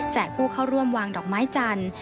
ผู้เข้าร่วมวางดอกไม้จันทร์